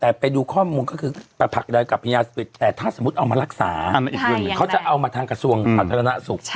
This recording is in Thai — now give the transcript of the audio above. เราดูข้อมูลก็คือถ้าผลักดันกลับไปในยาสติตแต่ถ้าเอามารักษาเขาจะเอามาทางกระทรวงสวรรค์บัฒนาสุข